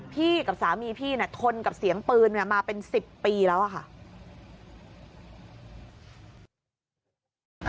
กับสามีพี่ทนกับเสียงปืนมาเป็น๑๐ปีแล้วอะค่ะ